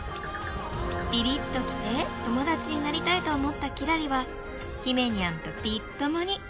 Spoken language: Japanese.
ビビっときて友達になりたいと思ったキラリはひめにゃんとビッ友に。